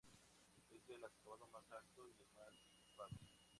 Es el acabado más alto, y el más equipado.